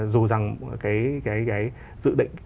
dù rằng cái dự định